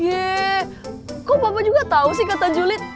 yee kok papa juga tahu sih kata julid